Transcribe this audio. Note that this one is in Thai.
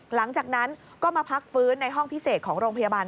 หลังจากนั้นก็มาพักฟื้นในห้องพิเศษของโรงพยาบาล